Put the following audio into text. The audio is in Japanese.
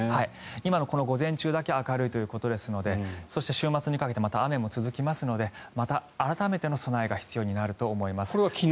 今の午前中だけ明るいということなのでそして、週末にかけてまた雨も続きますのでまた改めての備えが必要になると思います。